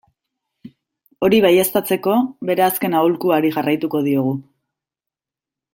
Hori baieztatzeko, bere azken aholkuari jarraitu diogu.